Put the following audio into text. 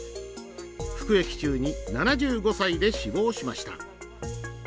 服役中に７５歳で死亡しました。